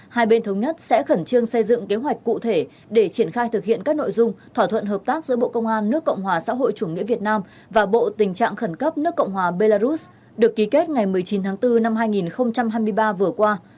hai bên thống nhất sẽ khẩn trương xây dựng kế hoạch cụ thể để triển khai thực hiện các nội dung thỏa thuận hợp tác giữa bộ công an nước cộng hòa xã hội chủ nghĩa việt nam và bộ tình trạng khẩn cấp nước cộng hòa belarus được ký kết ngày một mươi chín tháng bốn năm hai nghìn hai mươi ba vừa qua